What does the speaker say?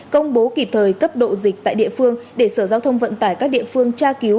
công bố kịp thời cấp độ dịch tại địa phương để sở giao thông vận tải các địa phương tra cứu